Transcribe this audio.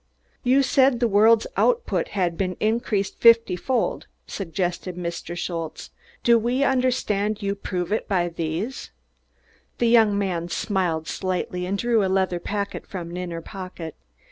"You said der vorld's oudpud had been increased fiftyfold?" suggested Mr. Schultze. "Do ve understand you prove him by dese?" The young man smiled slightly and drew a leather packet from an inner pocket.